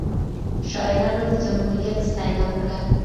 شاعرانو د جمهوریت ستاینه وکړه.